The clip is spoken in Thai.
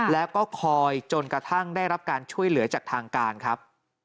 แล้วก็คอยจนกระทั่งได้รับการช่วยเหลือจากทางการครับ